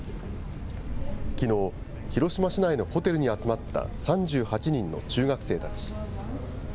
きのう、広島市内のホテルに集まった３８人の中学生たち。